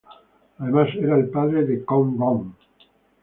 Además era el padre de Kong Rong.